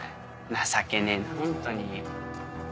情けねえなホントに。